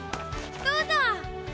どうぞ。